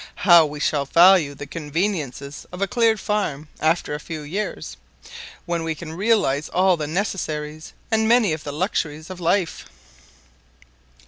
How we shall value the conveniences of a cleared farm after a few years, when we can realize all the necessaries and many of the luxuries of life."